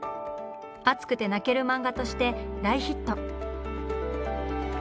熱くて泣ける漫画として大ヒット。